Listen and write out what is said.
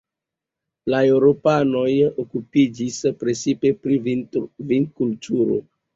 La eŭropanoj okupiĝis precipe pri vinkulturo.